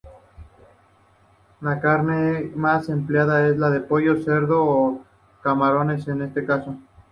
La carne más empleada es el pollo, cerdo, o camarones en este caso.